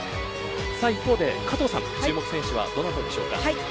一方で、加藤さん注目選手はどなたでしょうか。